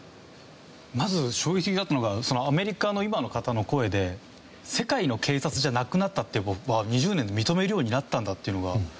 まず衝撃があったのがアメリカの今の方の声で世界の警察じゃなくなったって２０年で認めるようになったんだっていうのが。